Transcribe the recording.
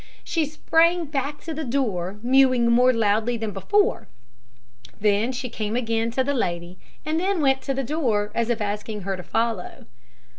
She sprang back to the door, mewing more loudly than before; then she came again to the lady, and then went to the door, as if asking her to follow.